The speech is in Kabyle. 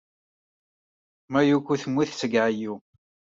Mayuko temmut seg ɛeyyu.